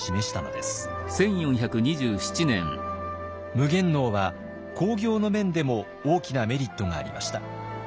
夢幻能は興業の面でも大きなメリットがありました。